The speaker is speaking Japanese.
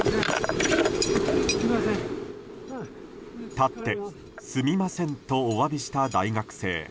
立ってすみませんとお詫びした大学生。